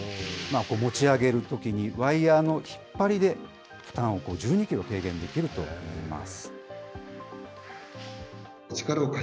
持ち上げるときにワイヤーの引っ張りで負担を１２キロ軽減できるといいます。